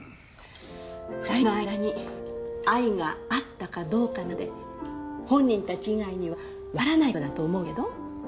２人の間に愛があったかどうかなんて本人たち以外にはわからないことだと思うけど？